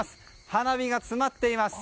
花火が詰まっています。